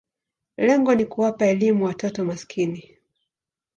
Lengo ni kuwapa elimu watoto maskini.